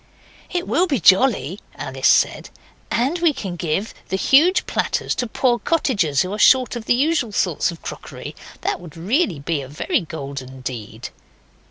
'It will be jolly!' Alice said, 'and we can give the huge platters to poor cottagers who are short of the usual sorts of crockery. That would really be a very golden deed.